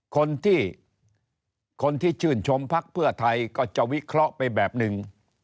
คนที่คนที่ชื่นชมพักเพื่อไทยก็จะวิเคราะห์ไปแบบหนึ่ง